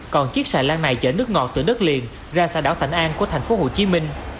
còn chiếc xà lan này chở nước ngọt từ đất liền ra xã đảo thạnh an của thành phố hồ chí minh